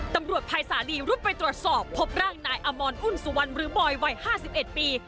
ภายสาลีรุดไปตรวจสอบพบร่างนายอมรอุ่นสุวรรณหรือบอยวัย๕๑ปี